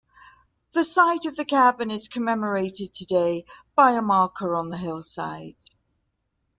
The site of the cabin is commemorated today by a marker on the hillside.